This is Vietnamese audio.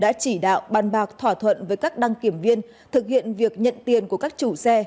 đã chỉ đạo bàn bạc thỏa thuận với các đăng kiểm viên thực hiện việc nhận tiền của các chủ xe